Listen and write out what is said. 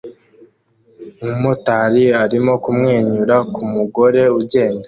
umumotari arimo kumwenyura ku mugore ugenda